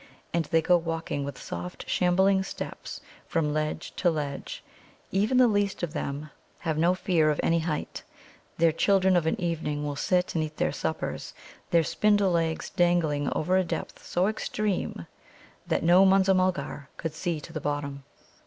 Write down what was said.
And they go walking with soft, shambling steps from ledge to ledge. Even the least of them have no fear of any height. Their children of an evening will sit and eat their suppers, their spindle legs dangling over a depth so extreme that no Munza mulgar could see to the bottom.